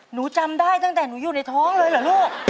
หนูจำได้ตั้งแต่หนูอยู่ในท้องเลยเหรอลูก